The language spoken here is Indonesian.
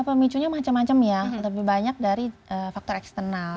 pemicunya macam macam ya lebih banyak dari faktor eksternal